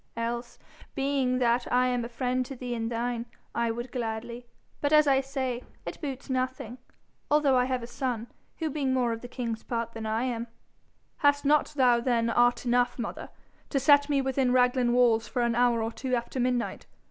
Else, being that I am a friend to thee and thine, I would gladly . But, as I say, it boots nothing although I have a son, who being more of the king's part than I am .' 'Hast thou not then art enough, mother, to set me within Raglan walls for an hour or two after midnight?